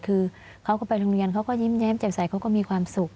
คือเขาก็ไปโรงเรียนเขาก็ยิ้มแย้มแจ่มใสเขาก็มีความสุข